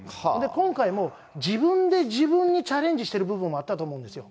今回も自分で自分にチャレンジしてる部分もあったと思うんですよ。